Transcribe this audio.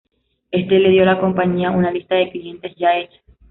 Esto le dio a la compañía una lista de clientes ya hecha.